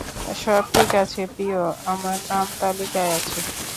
সব ঠিক আছে, প্রিয়, আমার নাম তালিকায় আছে।